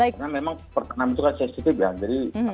karena memang pertanaman itu kan sensitif ya